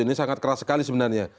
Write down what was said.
ini sangat keras sekali sebenarnya